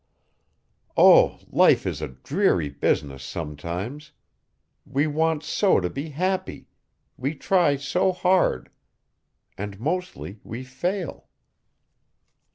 Oh, life is a dreary business sometimes! We want so to be happy. We try so hard. And mostly we fail."